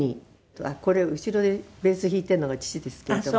あっこれ後ろでベース弾いているのが父ですけれども。